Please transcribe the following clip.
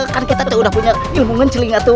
kan kita tuh sudah punya ilmu ngeceling itu